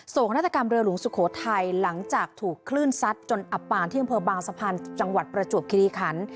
นาฏกรรมเรือหลวงสุโขทัยหลังจากถูกคลื่นซัดจนอับปานที่อำเภอบางสะพานจังหวัดประจวบคิริขัน